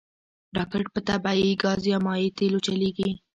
راکټ په طبعي ګاز یا مایع تېلو چلیږي